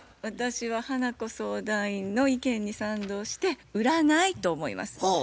私は花子相談員の意見に賛同して「売らない」と思います。